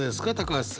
橋さん